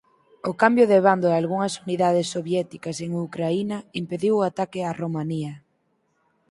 O cambio de bando dalgunhas unidades soviéticas en Ucraína impediu o ataque a Romanía.